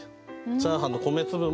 チャーハンの米粒も。